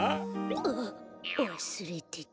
あっわすれてた。